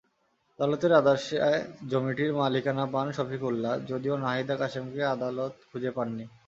আদালতের আদেশে জমিটির মালিকানা পান শফিকুল্লাহ, যদিও নাহিদা কাসেমকে আদালত খুঁজে পাননি।